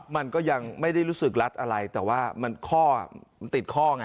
มันก็ยังไม่ได้รู้สึกรัดอะไรแต่ว่ามันข้อมันติดข้อไง